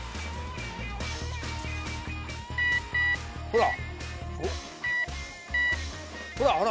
ほら！